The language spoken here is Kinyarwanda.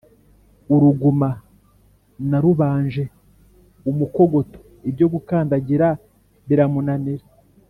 Uruguma narubanje umukogoto ibyo gukandagira biramunanira,